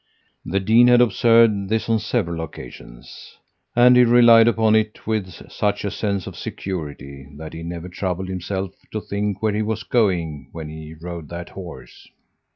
The dean had observed this on several occasions, and he relied upon it with such a sense of security that he never troubled himself to think where he was going when he rode that horse.